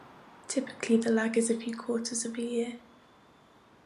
Typically the lag is a few quarters of a year.